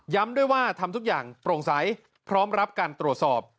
ด้วยว่าทำทุกอย่างโปร่งใสพร้อมรับการตรวจสอบ